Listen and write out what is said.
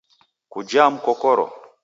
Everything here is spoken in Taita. Kujaa mkokoro?